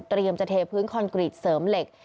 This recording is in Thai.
จะเทพื้นคอนกรีตเสริมเหล็ก